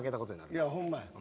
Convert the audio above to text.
いやホンマや。